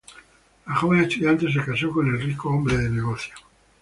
La joven estudiante se casó con el rico hombre de negocios.